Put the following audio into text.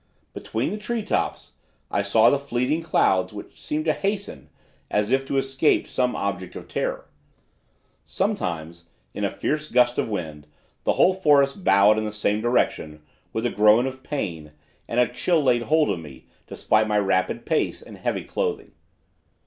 Between the tree tops, I saw the fleeting clouds, which seemed to hasten as if to escape some object of terror. Sometimes in a fierce gust of wind the whole forest bowed in the same direction with a groan of pain, and a chill laid hold of me, despite my rapid pace and heavy clothing.